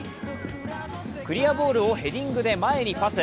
クリアボールをヘディングで前にパス。